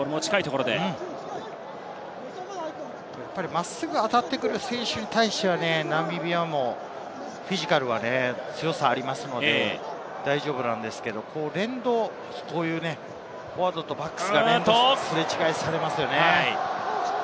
真っすぐ当たってくる選手に対してはナミビアもフィジカルは強さがありますので大丈夫なんですけれど、フォワードとバックスが連動すると。